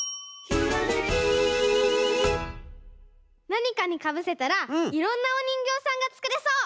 なにかにかぶせたらいろんなおにんぎょうさんがつくれそう。